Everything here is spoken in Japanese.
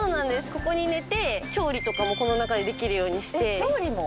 ここに寝て調理とかもこの中でできるようにして調理も？